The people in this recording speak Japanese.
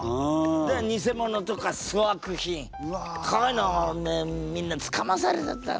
だから偽物とか粗悪品こういうのをおめえみんなつかまされちゃったんだ。